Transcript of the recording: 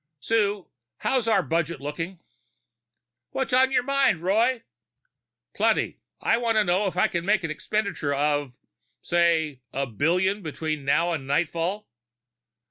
"Sue, how's our budget looking?" "What's on your mind, Roy?" "Plenty. I want to know if I can make an expenditure of say, a billion, between now and nightfall."